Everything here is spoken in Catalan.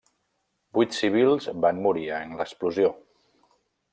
Vuit civils van morir en l'explosió.